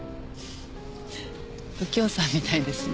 右京さんみたいですね。